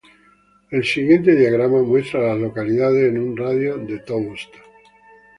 El siguiente diagrama muestra a las localidades en un radio de de Toast.